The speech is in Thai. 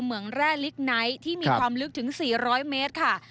เมืองแร่ลิกไนท์ที่มีความลึกถึง๔๐๐เมตรค่ะ